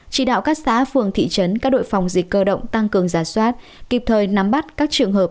chỉ đạo các xã phường thị trấn các đội phòng dịch cơ động tăng cường giả soát kịp thời nắm bắt các trường hợp